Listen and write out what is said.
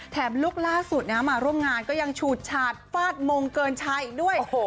แถบลูกล่าสุดมาร่วมงานก็ยังฉูดชาติฟาดมงเกินชัยด้วย